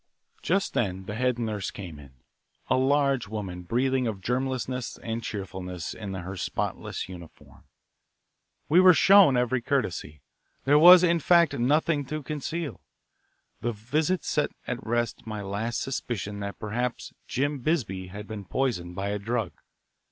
Just then the head nurse came in, a large woman breathing of germlessness and cheerfulness in her spotless uniform. We were shown every courtesy. There was, in fact, nothing to conceal. The visit set at rest my last suspicion that perhaps Jim Bisbee had been poisoned by a drug.